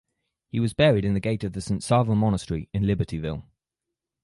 He was buried in the gate of the Saint Sava Monastery in Libertyville.